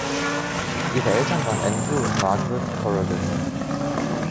Ihre Eltern waren Andrew und Margaret Corrigan.